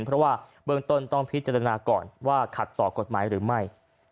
เพราะว่าเบื้องต้นต้องพิจารณาก่อนว่าขัดต่อกฎหมายหรือไม่